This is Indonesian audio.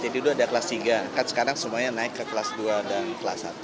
dulu ada kelas tiga kan sekarang semuanya naik ke kelas dua dan kelas satu